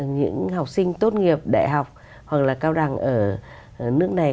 những học sinh tốt nghiệp đại học hoặc là cao đẳng ở nước này